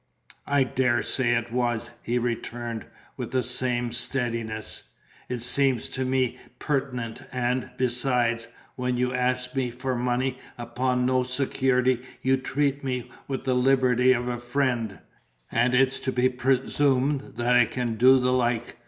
"I daresay it was," he returned, with the same steadiness. "It seemed to me pertinent; and, besides, when you ask me for money upon no security, you treat me with the liberty of a friend, and it's to be presumed that I can do the like.